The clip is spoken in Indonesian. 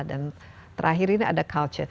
dan terakhir ini ada khasnya